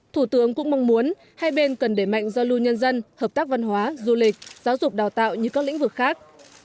thủ tướng cũng mong muốn hai bên cần để mạnh giao lưu nhân dân hợp tác văn hóa du lịch giáo dục đào tạo như các lĩnh vực khác